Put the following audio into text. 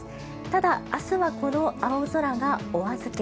ただ、明日はこの青空がお預け。